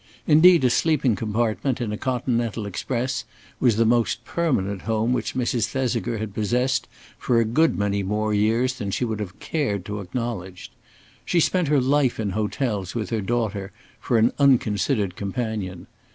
Indeed, a sleeping compartment in a Continental express was the most permanent home which Mrs. Thesiger had possessed for a good many more years than she would have cared to acknowledge. She spent her life in hotels with her daughter for an unconsidered companion.